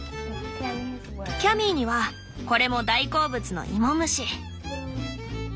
キャミーにはこれも大好物の芋虫。